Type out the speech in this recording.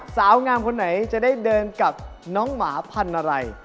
สาวงามคนไหนจะได้เดินกับน้องหมาพันธุ์อะไร